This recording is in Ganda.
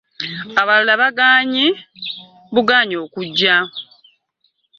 Abalala baagaanyi bugaanyi kujja.